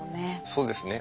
そうですね。